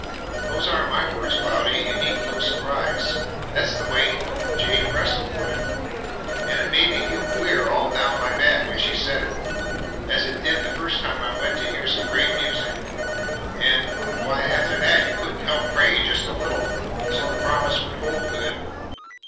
Those aren't my words, Cloudy; you needn't look surprised. That's the way Jane Bristol put it, and it made me feel queer all down my back when she said it, as it did the first time I went to hear some great music. And why, after that you couldn't help praying just a little, so the promise would hold good.